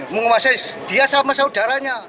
menguasai dia sama saudaranya